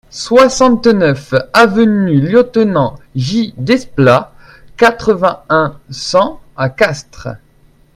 soixante-neuf avenue Lieutenant J Desplats, quatre-vingt-un, cent à Castres